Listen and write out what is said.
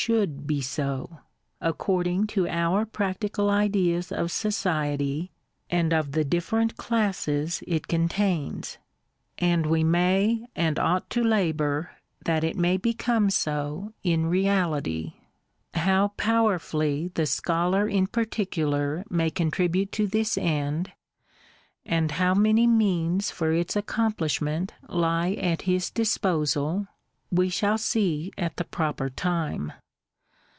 should be so, according to our prac tical ideas of society and of the different classes it contains; and we may and ought to labour that it may become so in ON THE DISTINCTION OF CLASSES IN SOCIETY. 47 reality. How powerfully the Scholar in particular may con tribute to this end, and how many means for its accomplish ment lie at his disposal, we shall see at the proper time.